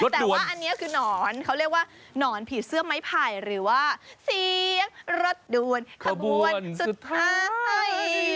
แต่ว่าอันนี้คือหนอนเขาเรียกว่าหนอนผีเสื้อไม้ไผ่หรือว่าเสียงรถดวนขบวนสุดท้าย